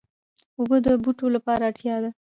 اوبه د بوټو لپاره اړتیا ده.